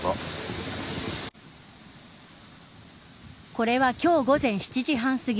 これは今日午前７時半すぎ